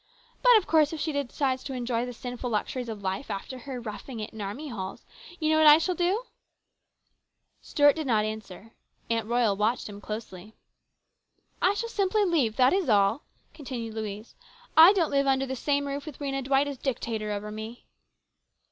But of course if she decides to enjoy the sinful luxuries of life after her roughing it in army halls, you know what I shall do ?" Stuart did not answer. Aunt Royal watched him closely. " I shall simply leave, that is all," continued Louise. " I don't live under the same roof with Rhena Dwight as dictator over me."